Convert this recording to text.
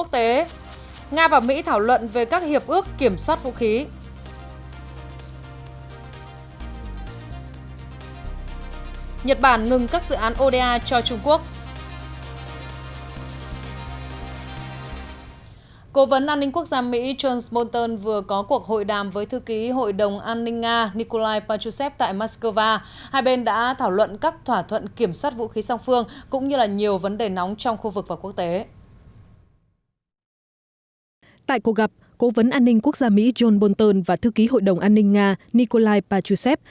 tại cuộc gặp cố vấn an ninh quốc gia mỹ john smolten và thư ký hội đồng an ninh nga nikolai pachusev